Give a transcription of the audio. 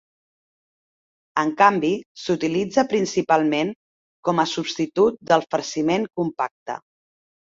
En canvi, s'utilitza principalment com a substitut del farciment compacte.